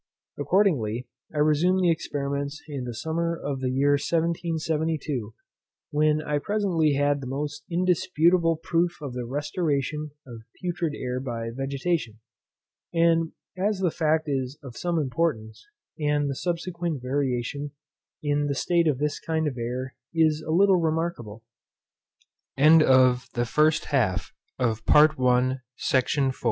Accordingly I resumed the experiments in the summer of the year 1772, when I presently had the most indisputable proof of the restoration of putrid air by vegetation; and as the fact is of some importance, and the subsequent variation in the state of this kind of air is a little remarkable, I think it necessary to relate some of the facts pretty circumstantially.